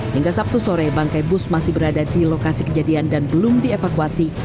hingga sabtu sore bangkai bus masih berada di lokasi kejadian dan belum dievakuasi